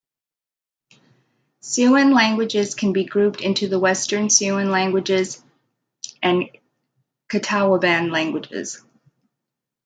Siouan languages can be grouped into the Western Siouan languages and Catawban languages.